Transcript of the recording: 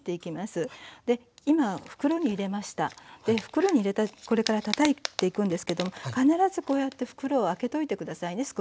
袋に入れてこれからたたいていくんですけども必ずこうやって袋を開けといて下さいね少し。